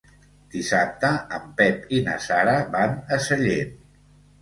Dissabte en Pep i na Sara van a Sellent.